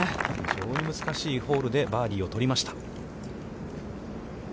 非常に難しいホールでバーディーを取りました。